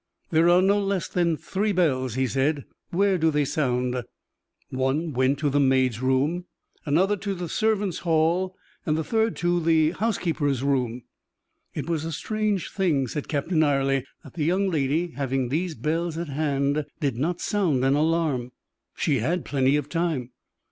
"There are no less than three bells," he said. "Where do they sound?" "One went to the maid's room, another to the servants' hall, the third to the housekeeper's room." "It was a strange thing," said Captain Ayrley, "that the young lady, having these bells at hand, did not sound an alarm; she had plenty of time."